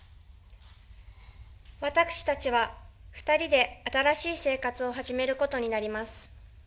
私たちは、２人で新しい生活を始めることになります。